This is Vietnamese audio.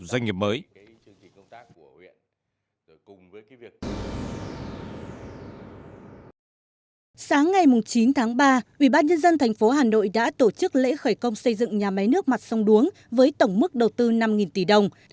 sáng ngày chín tháng ba ubnd tp hà nội đã tổ chức lễ khởi công xây dựng nhà máy nước mặt sông đuống với tổng mức đầu tư năm tỷ đồng